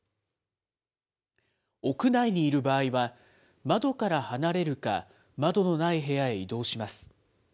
屋内にいる場合は、窓から離れるか窓のない部屋へ移動します。